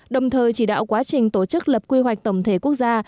đồng thời chỉ đạo quá trình tổ chức lập quy hoạch tổng thể quốc gia